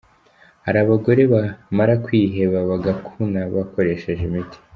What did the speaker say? Hari abagore bamara kwiheba bagakuna bakoresheje imiti….